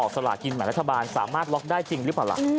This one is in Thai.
สลากินแบ่งรัฐบาลสามารถล็อกได้จริงหรือเปล่าล่ะ